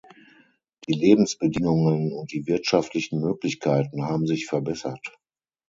Die Lebensbedingungen und die wirtschaftlichen Möglichkeiten haben sich verbessert.